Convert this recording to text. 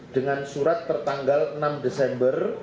dengan surat pertanggal enam desember